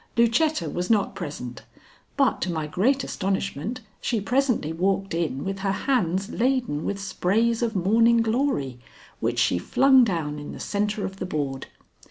Lucetta was not present, but to my great astonishment she presently walked in with her hands laden with sprays of morning glory, which she flung down in the centre of the board.